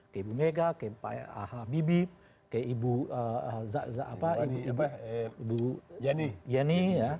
ke ibu mega ke pak habibie ke ibu yeni